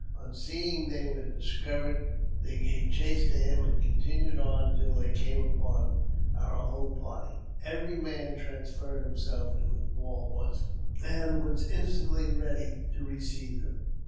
On seeing they were dis covered, they gave chase to him, and continued on until they came upon our whole party. Every man transferred himself to his war horse, and was instantly ready to receive them.